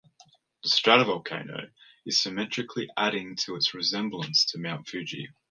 The stratovolcano is symmetrical adding to its resemblance to Mount Fuji.